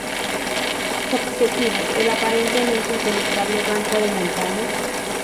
Su objetivo: el aparentemente impenetrable Banco de Montana.